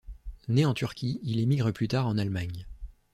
Né en Turquie, il émigre plus tard en Allemagne.